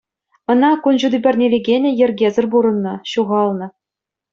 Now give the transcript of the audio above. Ӑна кун ҫути парнелекенӗ йӗркесӗр пурӑннӑ, ҫухалнӑ.